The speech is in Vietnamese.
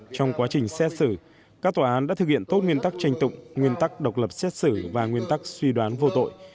trong quá trình xét xử các tòa án đã thực hiện tốt nguyên tắc tranh tụng nguyên tắc độc lập xét xử và nguyên tắc suy đoán vô tội